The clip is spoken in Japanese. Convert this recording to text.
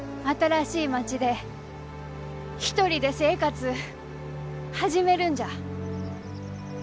新しい町で一人で生活う始めるんじゃ。